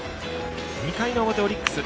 ２回の表、オリックス